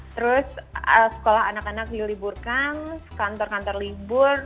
terus sekolah anak anak diliburkan kantor kantor libur